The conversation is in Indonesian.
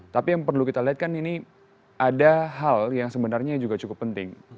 tapi yang perlu kita lihat kan ini ada hal yang sebenarnya juga cukup penting